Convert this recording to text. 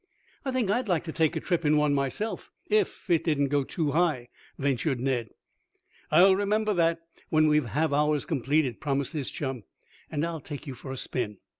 "I think I'd like to take a trip in one myself, if it didn't go too high," ventured Ned. "I'll remember that, when we have ours completed," promised his chum, "and I'll take you for a spin."